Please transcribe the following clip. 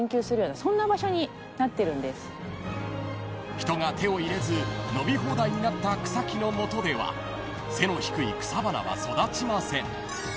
［人が手を入れず伸び放題になった草木の元では背の低い草花は育ちません］